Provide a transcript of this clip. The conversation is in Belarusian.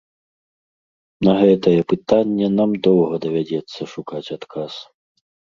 На гэтае пытанне нам доўга давядзецца шукаць адказ.